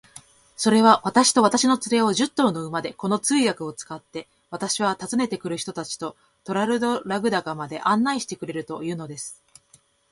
それは、私と私の連れを、十頭の馬で、この通訳を使って、私は訪ねて来る人たちとトラルドラグダカまで案内してくれるというのです。